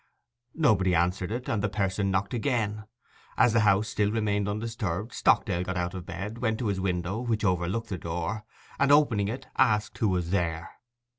Nobody answered it, and the person knocked again. As the house still remained undisturbed, Stockdale got out of bed, went to his window, which overlooked the door, and opening it, asked who was there.